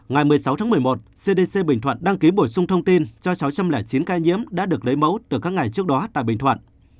ngày một mươi sáu tháng một mươi một cdc bình thuận đăng ký bổ sung thông tin cho sáu trăm linh chín ca nhiễm đã được lấy mẫu từ các ngày trước đó tại bình thuận